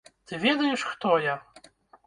Ты ведаеш, хто я?